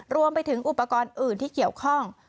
รวมไปถึงอุปกรณ์อื่นที่เกี่ยวข้อง